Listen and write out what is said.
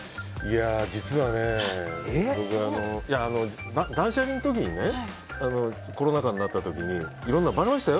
実は僕、断捨離の時にコロナ禍になった時にいろいろばれましたよ。